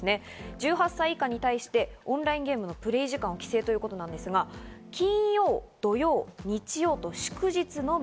１８歳以下に対してオンラインゲームのプレイ時間を規制ということですが、金曜、土曜、日曜と祝日のみ。